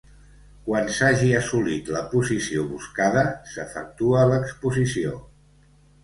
Quan s'hagi assolit la posició buscada, s'efectua l'exposició.